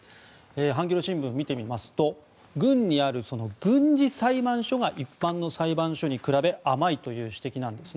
ハンギョレ新聞を見てみますと軍にある軍事裁判所が一般の裁判所に比べ甘いという指摘なんですね。